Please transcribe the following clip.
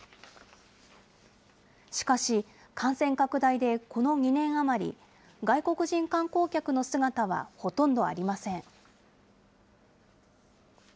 しかし、感染拡大でこの２年余り、外国人観光客の姿はほとんどありません。